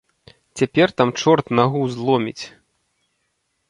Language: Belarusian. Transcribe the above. Цяпер там чорт нагу зломіць!